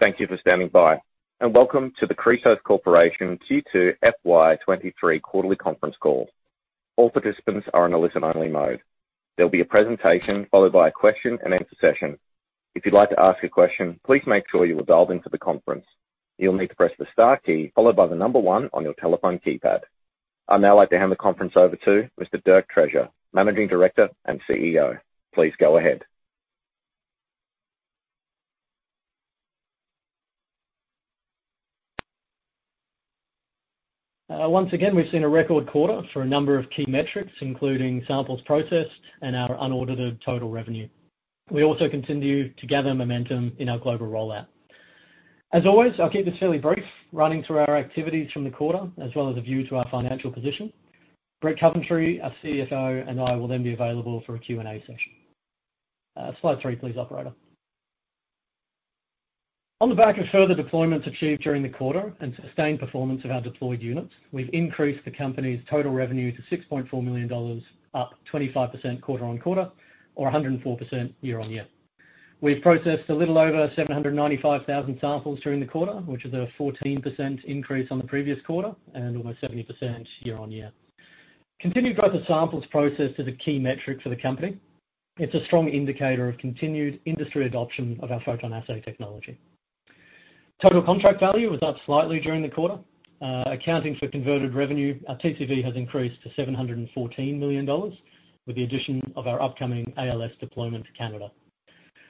Thank you for standing by. Welcome to the Chrysos Corporation Q2 FY 2023 quarterly conference call. All participants are in a listen-only mode. There'll be a presentation followed by a question-and-answer session. If you'd like to ask a question, please make sure you're dialed into the conference. You'll need to press the star key followed by the number one on your telephone keypad. I'd now like to hand the conference over to Mr. Dirk Treasure, Managing Director and CEO. Please go ahead. Once again, we've seen a record quarter for a number of key metrics, including samples processed and our unaudited total revenue. We also continue to gather momentum in our global rollout. As always, I'll keep this fairly brief, running through our activities from the quarter, as well as a view to our financial position. Brett Coventry, our CFO, and I will then be available for a Q&A session. Slide three, please, operator. On the back of further deployments achieved during the quarter and sustained performance of our deployed units, we've increased the company's total revenue to $6.4 million, up 25% quarter-over-quarter or 104% year-over-year. We've processed a little over 795,000 samples during the quarter, which is a 14% increase on the previous quarter and almost 70% year-over-year. Continued growth of samples processed is a key metric for the company. It's a strong indicator of continued industry adoption of our PhotonAssay technology. Total Contract Value was up slightly during the quarter. Accounting for converted revenue, our TCV has increased to 714 million dollars with the addition of our upcoming ALS deployment to Canada.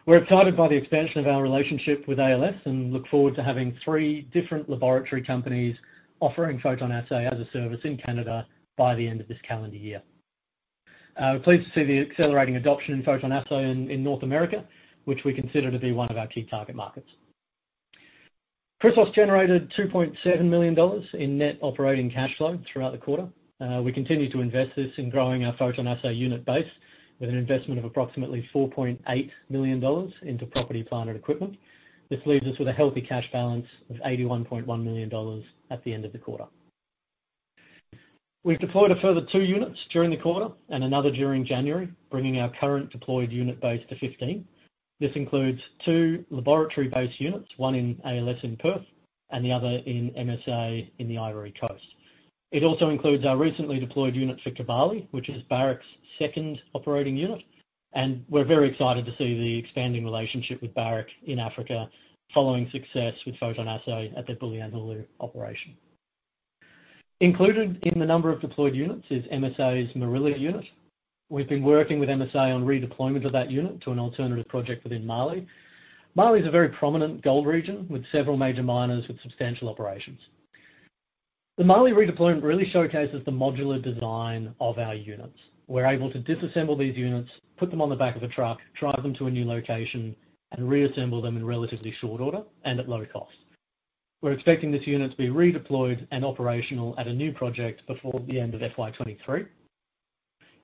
We're excited by the expansion of our relationship with ALS and look forward to having three different laboratory companies offering PhotonAssay as a service in Canada by the end of this calendar year. We're pleased to see the accelerating adoption of PhotonAssay in North America, which we consider to be one of our key target markets. Chrysos generated 2.7 million dollars in net operating cash flow throughout the quarter. We continue to invest this in growing our PhotonAssay unit base with an investment of approximately 4.8 million dollars into property, plant, and equipment. This leaves us with a healthy cash balance of 81.1 million dollars at the end of the quarter. We've deployed a further 2 units during the quarter and another during January, bringing our current deployed unit base to 15. This includes 2 laboratory-based units, one in ALS in Perth and the other in MSA in the Ivory Coast. It also includes our recently deployed unit for Kibali, which is Barrick's second operating unit, and we're very excited to see the expanding relationship with Barrick in Africa following success with PhotonAssay at their Bulyanhulu operation. Included in the number of deployed units is MSA's Marilla unit. We've been working with MSA on redeployment of that unit to an alternative project within Mali. Mali is a very prominent gold region with several major miners with substantial operations. The Mali redeployment really showcases the modular design of our units. We're able to disassemble these units, put them on the back of a truck, drive them to a new location, and reassemble them in relatively short order and at low cost. We're expecting this unit to be redeployed and operational at a new project before the end of FY 2023.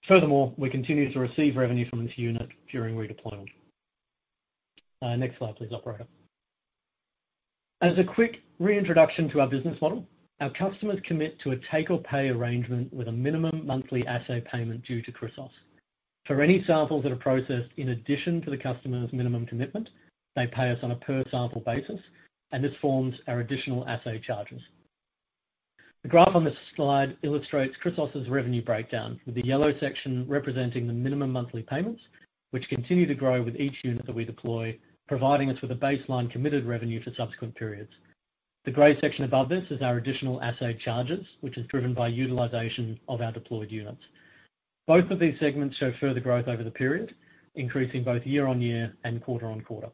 Furthermore, we continue to receive revenue from this unit during redeployment. Next slide, please, Operator. As a quick reintroduction to our business model, our customers commit to a take-or-pay arrangement with a minimum monthly assay payment due to Chrysos. For any samples that are processed in addition to the customer's minimum commitment, they pay us on a per sample basis, and this forms our Additional Assay Charges. The graph on this slide illustrates Chrysos' revenue breakdown, with the yellow section representing the minimum monthly payments, which continue to grow with each unit that we deploy, providing us with a baseline committed revenue for subsequent periods. The gray section above this is our additional assay charges, which is driven by utilization of our deployed units. Both of these segments show further growth over the period, increasing both year-on-year and quarter-on-quarter.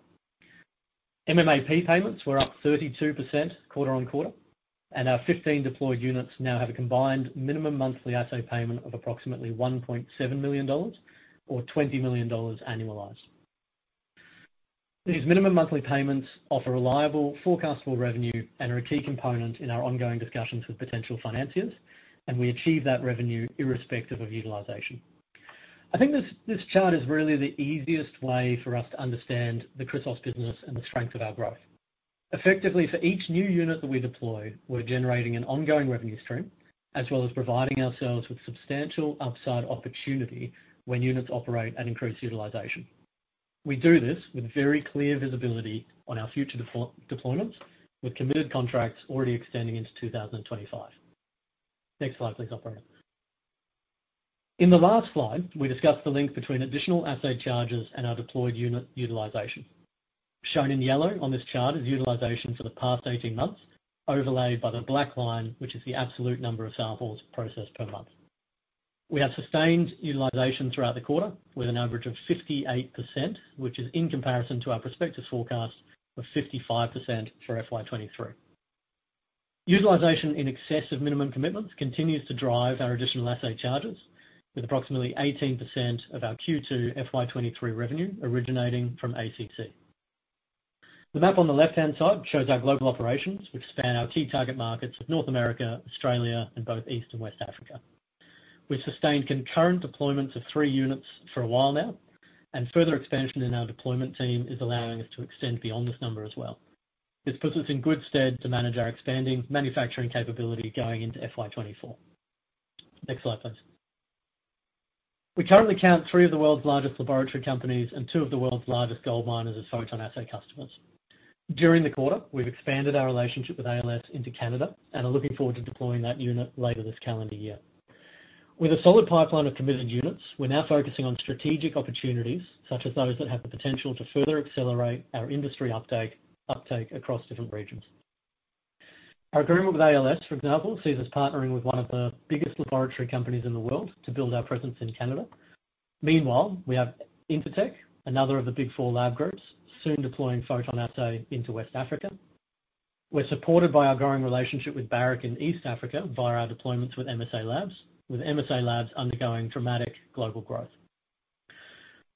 MMAP payments were up 32% quarter-on-quarter, and our 15 deployed units now have a combined minimum monthly assay payment of approximately 1.7 million dollars or 20 million dollars annualized. These minimum monthly payments offer reliable forecast for revenue and are a key component in our ongoing discussions with potential financiers. We achieve that revenue irrespective of utilization. I think this chart is really the easiest way for us to understand the Chrysos business and the strength of our growth. Effectively, for each new unit that we deploy, we're generating an ongoing revenue stream, as well as providing ourselves with substantial upside opportunity when units operate at increased utilization. We do this with very clear visibility on our future deployments, with committed contracts already extending into 2025. Next slide, please, Operator. In the last slide, we discussed the link between additional assay charges and our deployed unit utilization. Shown in yellow on this chart is utilization for the past 18 months, overlaid by the black line, which is the absolute number of samples processed per month. We have sustained utilization throughout the quarter with an average of 58%, which is in comparison to our prospectus forecast of 55% for FY 23. Utilization in excess of minimum commitments continues to drive our additional assay charges, with approximately 18% of our Q2 FY 2023 revenue originating from ACC. The map on the left-hand side shows our global operations, which span our key target markets of North America, Australia, and both East and West Africa. We've sustained concurrent deployments of three units for a while now. Further expansion in our deployment team is allowing us to extend beyond this number as well. This puts us in good stead to manage our expanding manufacturing capability going into FY 2024. Next slide, please. We currently count three of the world's largest laboratory companies and two of the world's largest gold miners as PhotonAssay customers. During the quarter, we've expanded our relationship with ALS into Canada and are looking forward to deploying that unit later this calendar year. With a solid pipeline of committed units, we're now focusing on strategic opportunities such as those that have the potential to further accelerate our industry uptake across different regions. Our agreement with ALS, for example, sees us partnering with one of the biggest laboratory companies in the world to build our presence in Canada. We have Intertek, another of the big four lab groups, soon deploying PhotonAssay into West Africa. We're supported by our growing relationship with Barrick in East Africa via our deployments with MSALABS, with MSALABS undergoing dramatic global growth.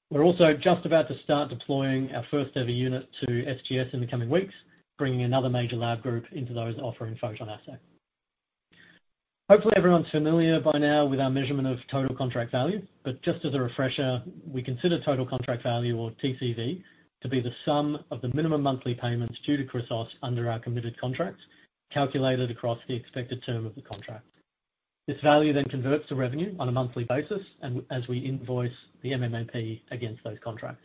We're also just about to start deploying our first-ever unit to SGS in the coming weeks, bringing another major lab group into those offering PhotonAssay. Hopefully, everyone's familiar by now with our measurement of Total Contract Value. Just as a refresher, we consider Total Contract Value or TCV to be the sum of the minimum monthly payments due to Chrysos Corporation Limited under our committed contracts, calculated across the expected term of the contract. This value then converts to revenue on a monthly basis and as we invoice the MMAP against those contracts.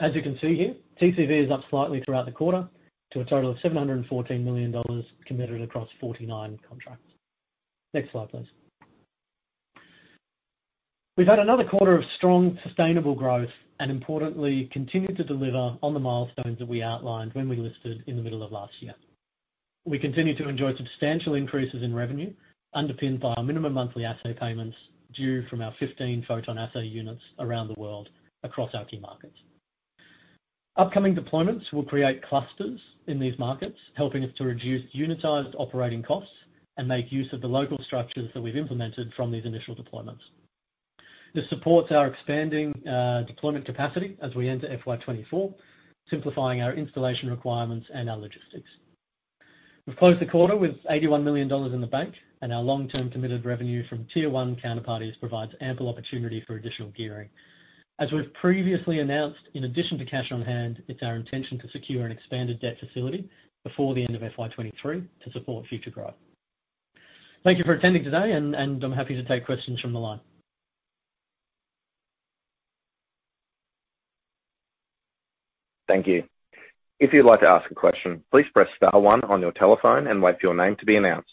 As you can see here, TCV is up slightly throughout the quarter to a total of 714 million dollars committed across 49 contracts. Next slide, please. We've had another quarter of strong, sustainable growth and importantly, continued to deliver on the milestones that we outlined when we listed in the middle of last year. We continue to enjoy substantial increases in revenue underpinned by our minimum monthly assay payments due from our 15 PhotonAssay units around the world across our key markets. Upcoming deployments will create clusters in these markets, helping us to reduce unitized operating costs and make use of the local structures that we've implemented from these initial deployments. This supports our expanding deployment capacity as we enter FY 2024, simplifying our installation requirements and our logistics. We've closed the quarter with 81 million dollars in the bank, and our long-term committed revenue from Tier 1 counterparties provides ample opportunity for additional gearing. As we've previously announced, in addition to cash on hand, it's our intention to secure an expanded debt facility before the end of FY 2023 to support future growth. Thank you for attending today, and I'm happy to take questions from the line. Thank you. If you'd like to ask a question, please press star one on your telephone and wait for your name to be announced.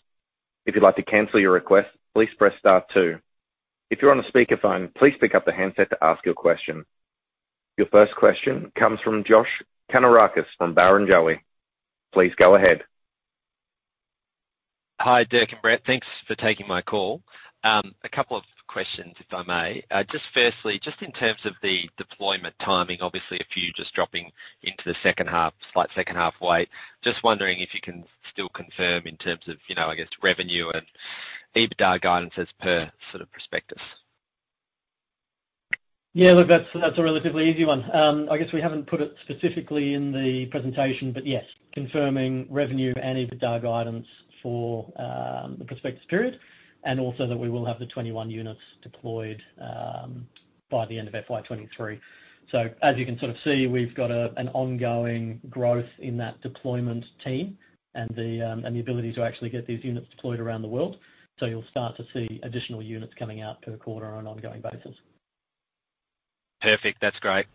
If you'd like to cancel your request, please press star two. If you're on a speakerphone, please pick up the handset to ask your question. Your first question comes from Josh Kannourakis on Barrenjoey. Please go ahead. Hi, Dirk and Brett. Thanks for taking my call. A couple of questions, if I may. Just firstly, just in terms of the deployment timing, obviously a few just dropping into the second half, slight second half wait. Just wondering if you can still confirm in terms of, you know, I guess, revenue and EBITDA guidance as per prospectus. Yeah. Look, that's a relatively easy one. I guess we haven't put it specifically in the presentation, but yes, confirming revenue and EBITDA guidance for the prospectus period, and also that we will have the 21 units deployed by the end of FY 2023. As you can sort of see, we've got an ongoing growth in that deployment team and the ability to actually get these units deployed around the world. You'll start to see additional units coming out per quarter on an ongoing basis. Perfect. That's great.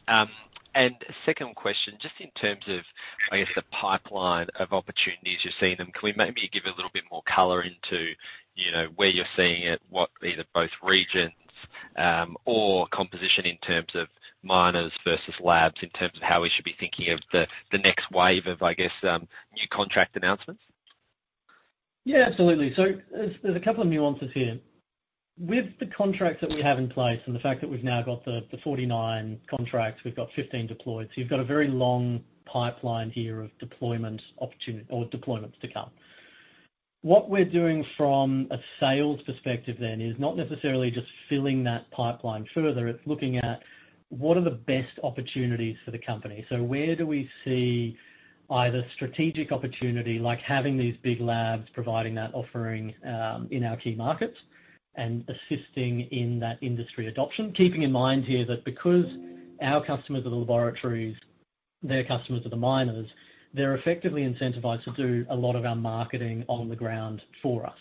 Second question, just in terms of, I guess, the pipeline of opportunities you're seeing. Can we maybe give a little bit more color into, you know, where you're seeing it, what either both regions, or composition in terms of miners versus labs in terms of how we should be thinking of the next wave of, I guess, new contract announcements? Absolutely. There's a couple of nuances here. With the contracts that we have in place and the fact that we've now got the 49 contracts, we've got 15 deployed. You've got a very long pipeline here of deployment opportunity or deployments to come. What we're doing from a sales perspective then is not necessarily just filling that pipeline further. It's looking at what are the best opportunities for the company. Where do we see either strategic opportunity like having these big labs providing that offering in our key markets and assisting in that industry adoption. Keeping in mind here that because our customers are the laboratories, their customers are the miners, they're effectively incentivized to do a lot of our marketing on the ground for us.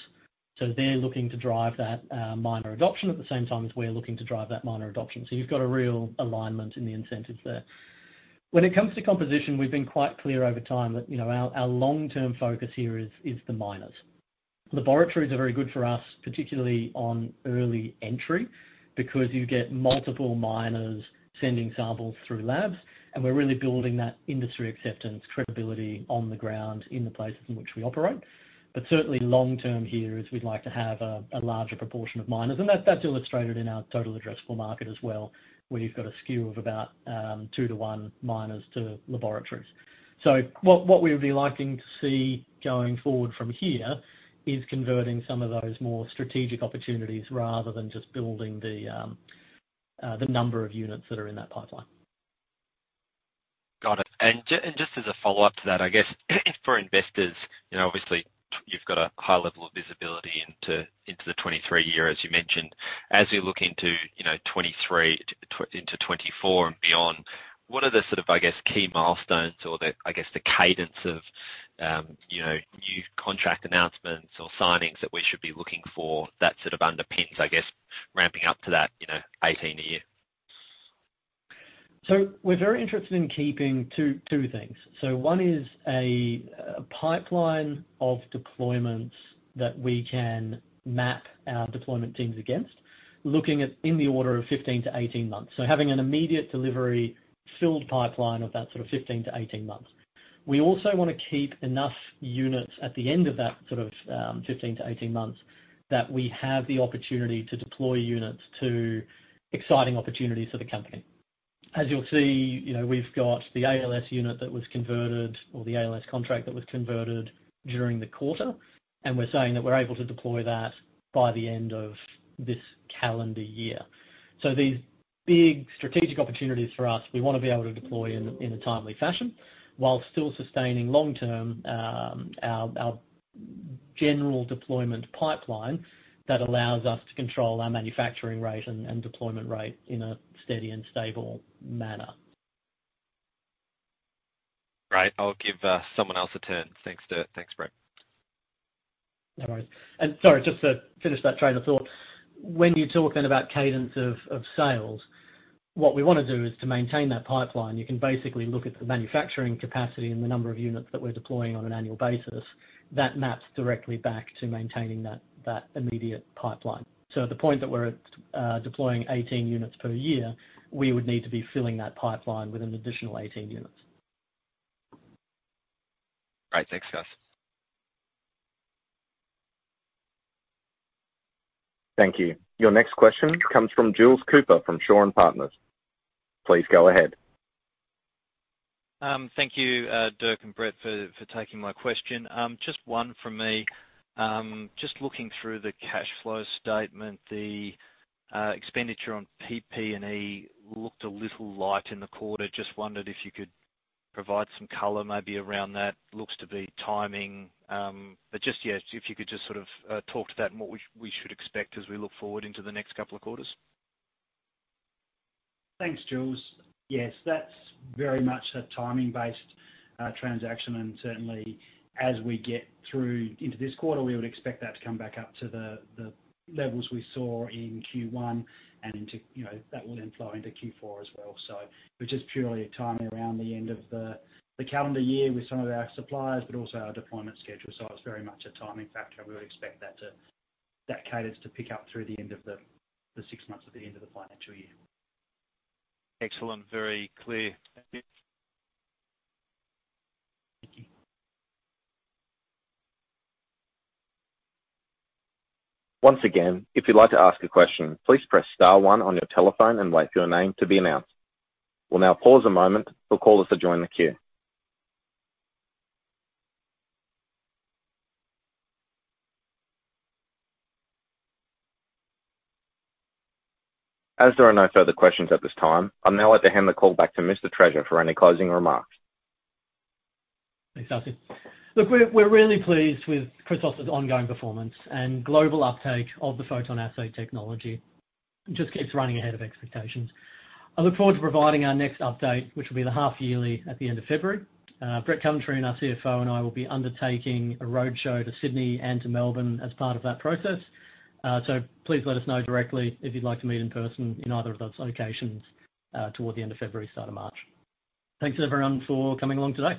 They're looking to drive that miner adoption at the same time as we're looking to drive that miner adoption. You've got a real alignment in the incentives there. When it comes to composition, we've been quite clear over time that, you know, our long-term focus here is the miners. Laboratories are very good for us, particularly on early entry, because you get multiple miners sending samples through labs, and we're really building that industry acceptance, credibility on the ground in the places in which we operate. Certainly long term here is we'd like to have a larger proportion of miners. That's, that's illustrated in our Total Addressable Market as well, where you've got a skew of about 2 to 1 miners to laboratories. What we would be liking to see going forward from here is converting some of those more strategic opportunities rather than just building the number of units that are in that pipeline. Got it. Just as a follow-up to that, I guess for investors, you know, obviously you've got a high level of visibility into the 2023 year, as you mentioned. As we look into, you know, 2023, into 2024 and beyond. What are the sort of, I guess, key milestones or the, I guess, the cadence of, you know, new contract announcements or signings that we should be looking for that sort of underpins, I guess, ramping up to that, you know, 18 a year? We're very interested in keeping 2 things. One is a pipeline of deployments that we can map our deployment teams against, looking at in the order of 15-18 months. Having an immediate delivery filled pipeline of that sort of 15-18 months. We also wanna keep enough units at the end of that sort of 15-18 months that we have the opportunity to deploy units to exciting opportunities for the company. As you'll see, you know, we've got the ALS unit that was converted or the ALS contract that was converted during the quarter, and we're saying that we're able to deploy that by the end of this calendar year. These big strategic opportunities for us, we wanna be able to deploy in a timely fashion while still sustaining long-term, our general deployment pipeline that allows us to control our manufacturing rate and deployment rate in a steady and stable manner. Great. I'll give, someone else a turn. Thanks, Dirk. No worries. Sorry, just to finish that train of thought. When you talk then about cadence of sales, what we wanna do is to maintain that pipeline. You can basically look at the manufacturing capacity and the number of units that we're deploying on an annual basis. That maps directly back to maintaining that immediate pipeline. At the point that we're deploying 18 units per year, we would need to be filling that pipeline with an additional 18 units. Right. Thanks, guys. Thank you. Your next question comes from Jules Cooper, from Shaw and Partners. Please go ahead. Thank you, Dirk and Brett for taking my question. Just one from me. Just looking through the cash flow statement, the expenditure on PP&E looked a little light in the quarter. Just wondered if you could provide some color maybe around that. Looks to be timing, but just, yeah, if you could just sort of, talk to that and what we should expect as we look forward into the next couple of quarters. Thanks, Jules. Yes, that's very much a timing-based transaction. Certainly as we get through into this quarter, we would expect that to come back up to the levels we saw in Q1 and into, you know, that will then flow into Q4 as well. Which is purely timing around the end of the calendar year with some of our suppliers, but also our deployment schedule. It's very much a timing factor. We would expect that cadence to pick up through the end of the six months at the end of the financial year. Excellent. Very clear. Thank you. Thank you. Once again, if you'd like to ask a question, please press star one on your telephone and wait for your name to be announced. We'll now pause a moment for callers to join the queue. As there are no further questions at this time, I'd now like to hand the call back to Mr. Treasure for any closing remarks. Thanks, Austin. Look, we're really pleased with Chrysos's ongoing performance and global uptake of the PhotonAssay technology. It just keeps running ahead of expectations. I look forward to providing our next update, which will be the half yearly at the end of February. Brett Coventry, our CFO, and I will be undertaking a roadshow to Sydney and to Melbourne as part of that process. Please let us know directly if you'd like to meet in person in either of those locations, toward the end of February, start of March. Thanks, everyone for coming along today.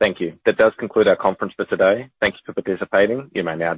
Thank you. That does conclude our conference for today. Thank you for participating. You may now.